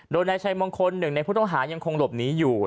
โดยนายชัยมงคลหนึ่งในผู้ต้องหายังคงหลบหนีอยู่